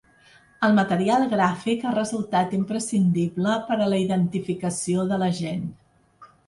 El material gràfic ha resultat imprescindible per a la identificació de l’agent.